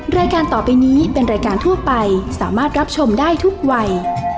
รายการต่อไปนี้เป็นรายการทั่วไปสามารถรับชมได้ทุกวัย